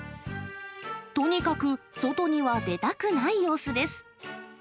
とにかく外には出たくない様子です。